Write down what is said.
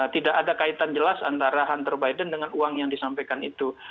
tidak ada kaitan jelas antara hunter biden dengan uang yang disampaikan itu